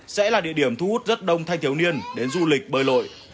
sẽ là địa điểm thu hút rất đông người